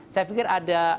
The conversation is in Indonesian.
saya pikir ada